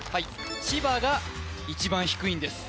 千葉が一番低いんです